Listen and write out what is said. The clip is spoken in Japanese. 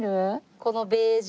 このベージュ。